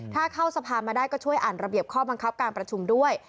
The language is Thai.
ถ้าเข้าสภามาได้ก็ช่วยอ่านระเบียบข้อบังคับการประชุมด้วย